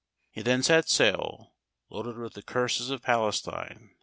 He then set sail, loaded with the curses of Palestine.